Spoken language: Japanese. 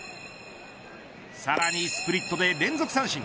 さらにスプリットで連続三振。